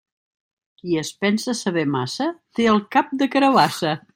Qui es pensa saber massa, té el cap de carabassa.